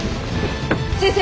先生！